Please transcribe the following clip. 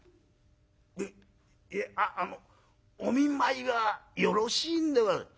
「えっいやああのお見舞いはよろしいんでございます」。